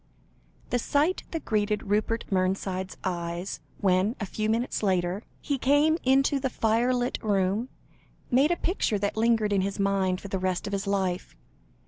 The sight that greeted Rupert Mernside's eyes, when, a few minutes later, he came into the firelit room, made a picture that lingered in his mind for the rest of his life.